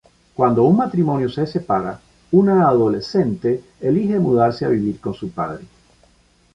Cuando un matrimonio se separa, una adolescente elige mudarse a vivir con su padre.